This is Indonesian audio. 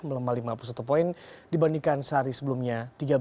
melemah lima puluh satu poin dibandingkan sehari sebelumnya